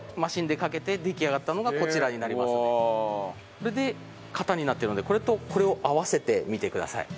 それで型になってるのでこれとこれを合わせてみてください。